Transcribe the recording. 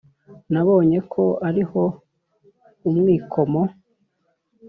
nabonye ko ariho umwikomo,